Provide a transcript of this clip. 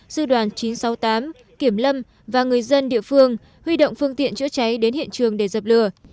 sư đoàn chín trăm sáu mươi tám kiểm lâm và người dân địa phương huy động phương tiện chữa cháy đến hiện trường để dập lửa